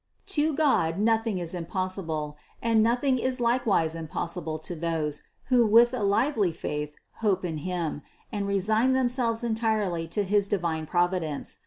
To God nothing is impossible, and nothing is likewise impossible to those, who with a lively faith, hope in Him, and re sign themselves entirely to his divine Providence.